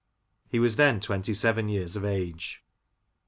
He was then twenty seven years of age.